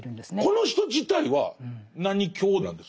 この人自体は何教なんですか？